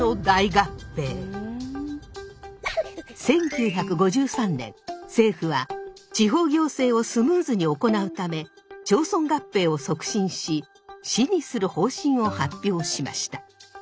１９５３年政府は地方行政をスムーズに行うため町村合併を促進し市にする方針を発表しました。